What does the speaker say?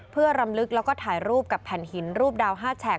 เพื่อรำลึกแล้วก็ถ่ายรูปกับแผ่นหินรูปดาว๕แฉก